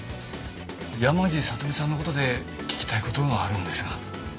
山路さとみさんの事で聞きたい事があるんですが。